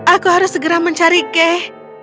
aku harus segera mencari keh